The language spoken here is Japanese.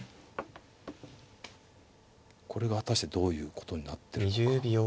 これが果たしてどういうことになってるのか。